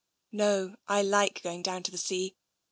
" No, I like going down to the sea.